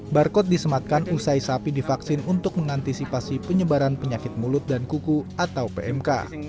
barcode disematkan usai sapi divaksin untuk mengantisipasi penyebaran penyakit mulut dan kuku atau pmk